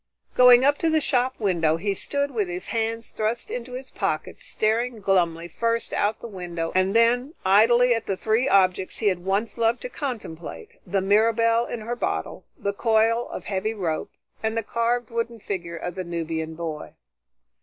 Going up to the shop window, he stood with his hands thrust into his pockets staring glumly first out the window and then, idly, at the three objects he had once loved to contemplate, the Mirabelle in her bottle, the coil of heavy rope, and the carved wooden figure of the Nubian boy.